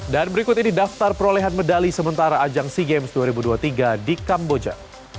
dan berikut ini daftar perolehan medali sementara ajang sea games dua ribu dua puluh tiga di kamboja